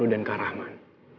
lo dan kak rahman